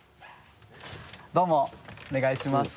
・どうもお願いします。